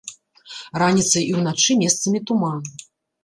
Раніцай і ўначы месцамі туман.